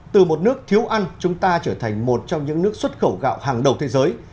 từ một nước thiếu ăn chúng ta trở thành một trong những nước xuất khẩu gạo hàng đầu thế giới